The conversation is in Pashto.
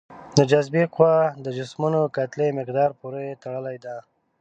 د جاذبې قوه د جسمونو کتلې مقدار پورې تړلې ده.